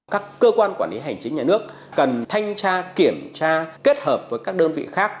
các cơ quan quản lý hành chính nhà nước cần thanh tra kiểm tra kết hợp với các đơn vị khác